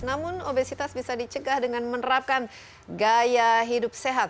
namun obesitas bisa dicegah dengan menerapkan gaya hidup sehat